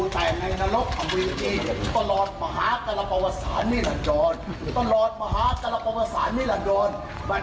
ธรรมศาลที่หลังโดรณ์